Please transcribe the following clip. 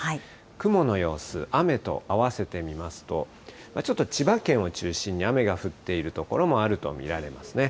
雲の様子、雨と合わせてみますと、ちょっと千葉県を中心に、雨が降っている所もあると見られますね。